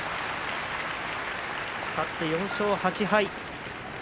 勝って４勝８敗。